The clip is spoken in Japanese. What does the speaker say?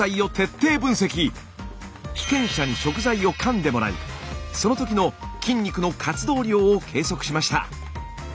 被験者に食材をかんでもらいその時の筋肉の活動量を計測しました。